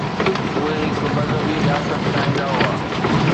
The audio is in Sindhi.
اهي هڪ مذهبي رياست چاهيندا هئا؟